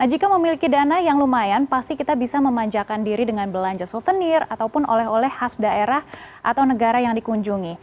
jika memiliki dana yang lumayan pasti kita bisa memanjakan diri dengan belanja souvenir ataupun oleh oleh khas daerah atau negara yang dikunjungi